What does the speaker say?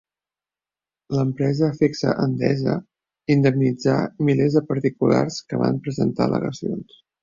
L'empresa Fecsa-Endesa indemnitzà milers de particulars que van presentar al·legacions.